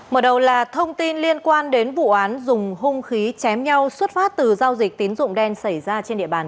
mở đầu là thông tin liên quan đến vụ án dùng hung khí chém nhau xuất phát từ giao dịch tín dụng đen xảy ra trên địa bàn